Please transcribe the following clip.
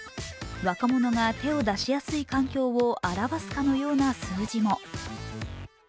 若者が手を出しやすい環境を表すかのような数字も。